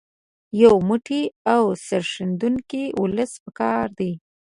یو موټی او سرښندونکی ولس په کار دی.